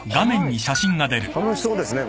楽しそうですね